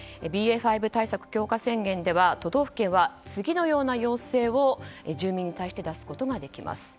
５対策強化宣言では都道府県は次のような要請を住民に対して出すことができます。